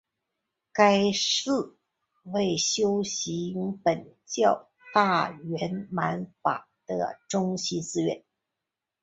该寺为修习苯教大圆满法的中心寺院。